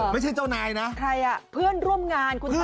ไม่ใช่เจ้านายนะใครอ่ะเพื่อนร่วมงานคุณอาจารย์